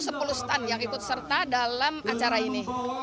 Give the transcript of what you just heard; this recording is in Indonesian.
ada satu ratus sepuluh stand yang ikut serta dalam acara ini